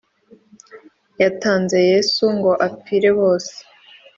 Yatanze Yesu ngo apfire bose